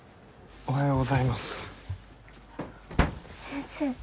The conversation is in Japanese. おはようございます。